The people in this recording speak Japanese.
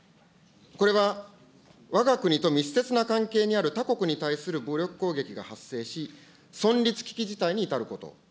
これは、わが国と密接な関係のある他国に対する武力攻撃が発生し、存立危機事態に至ること。